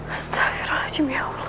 astagfirullahaladzim ya allah